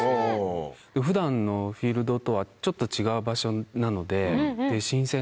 普段のフィールドとはちょっと違う場所なので。